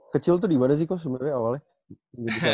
kecil tuh dimana sih kok sebenernya awalnya